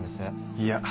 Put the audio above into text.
いや。